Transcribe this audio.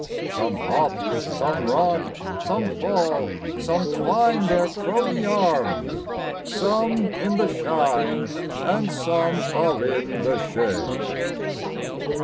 Some hop, some run, (some fall,) some twine Their crony arms; some in the shine, And some are in the shade!